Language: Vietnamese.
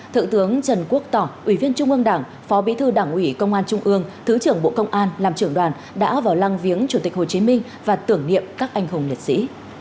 thượng tướng trần quốc tỏ ủy viên trung ương đảng phó bí thư đảng ủy công an trung ương thứ trưởng bộ công an làm trưởng đoàn đã vào lăng viếng chủ tịch hồ chí minh và tưởng niệm các anh hùng liệt sĩ